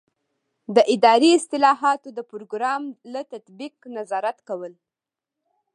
د اداري اصلاحاتو د پروګرام له تطبیق نظارت کول.